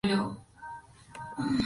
vosotros no bebíais